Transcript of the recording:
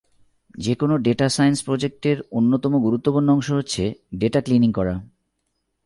যেকোনো data science project এর অন্যতম গুরুত্বপূর্ণ অংশ হচ্ছে ডেটা ক্লিনিং করা।